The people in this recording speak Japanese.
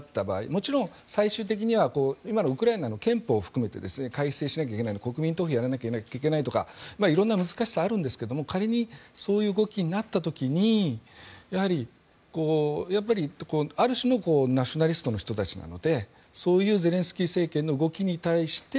もちろん、最終的には今のウクライナの憲法を含めて改正しなきゃいけない国民投票をやらなきゃいけないとかいろんな難しさがあるんですけど仮にそういう動きになった場合にある種のナショナリストの人たちなのでそういうゼレンスキー政権の動きに対して